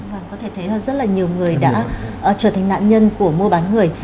vâng có thể thấy là rất là nhiều người đã trở thành nạn nhân của mô bán người